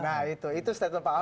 nah itu itu statement pak ahok